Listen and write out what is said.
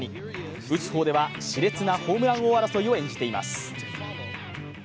打つ方では、しれつなホームラン王争いを演じています。